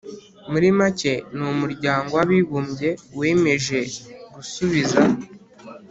Muri make ni umuryango w Abibumbye wemeje gusubiza